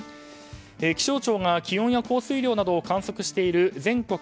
気象庁が気温や降水量などを観測している全国